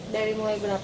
dari mulai berapa